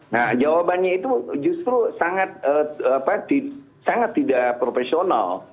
nah jawabannya itu justru sangat tidak profesional